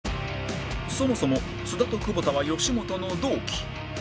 そもそも津田と久保田は吉本の同期